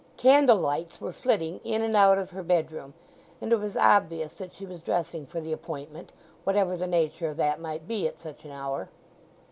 Candle lights were flitting in and out of her bedroom, and it was obvious that she was dressing for the appointment, whatever the nature of that might be at such an hour.